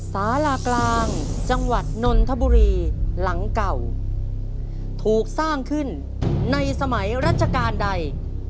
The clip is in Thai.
สารากลางจังหวัดนนทบุรีหลังเก่าถูกสร้างขึ้นในสมัยรัชกาลใด